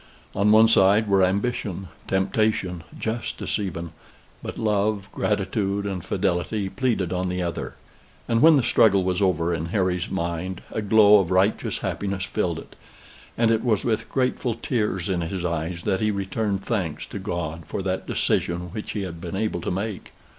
On one side were ambition, temptation, justice even; but love, gratitude, and fidelity, pleaded on the other. And when the struggle was over in Harry's mind, a glow of righteous happiness filled it; and it was with grateful tears in his eyes that he returned thanks to God for that decision which he had been enabled to make.